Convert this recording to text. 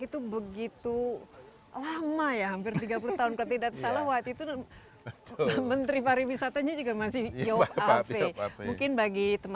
itu begitu lama ya hampir tiga puluh tahun tidak salah waktu itu menteri pariwisatanya juga masih yo afe